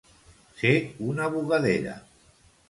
Ser una bugadera.